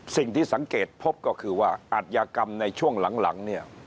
สิ่งที่สังเกตพบก็คืออาชญากรรมในช่วงหลัง